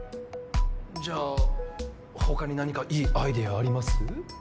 じゃあ他に何かいいアイデアあります？